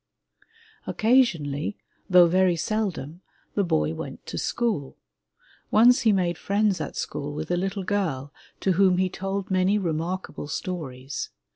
Occasionally, though very seldom, the boy went to school. Once he made friends at school with a little girl, to whom he told many remarkable stories.